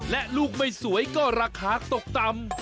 และลูกไม่สวยก็ราคาตกต่ำ